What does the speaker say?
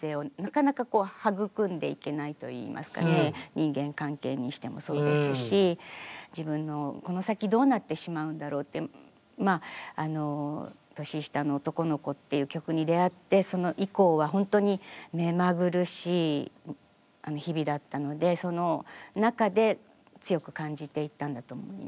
人間関係にしてもそうですし自分のこの先どうなってしまうんだろうって「年下の男の子」っていう曲に出会ってその以降は本当に目まぐるしい日々だったのでその中で強く感じていったんだと思いますね。